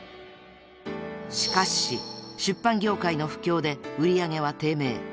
［しかし出版業界の不況で売り上げは低迷］